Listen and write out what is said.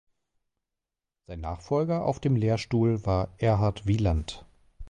Sein Nachfolger auf dem Lehrstuhl war Erhard Wielandt.